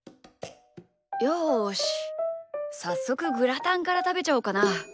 よしさっそくグラタンからたべちゃおうかな。